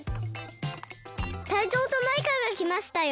タイゾウとマイカがきましたよ。